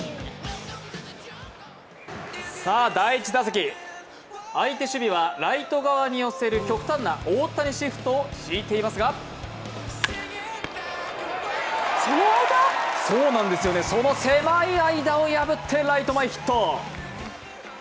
第１打席、相手守備はライト側に寄せる極端な大谷シフトを敷いていますがその狭い間を破ってライト前ヒット。